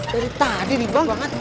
dari tadi nih bang